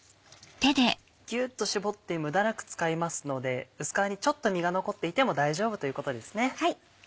ギュっと搾って無駄なく使いますので薄皮にちょっと実が残っていても大丈夫ということですね。